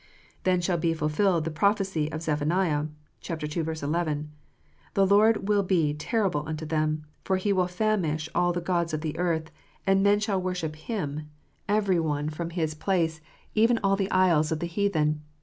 Then shall be fulfilled the prophecy of Zephaniah (ii. 11): "The Lord will be terrible unto them : for He will famish all the gods of the earth ; and men shall worship Him, every one from 414 KNOTS UNTIED. his place, even all the isles of the heathen."